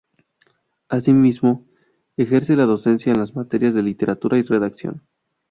Asimismo, ejerce la docencia en las materias de literatura y redacción.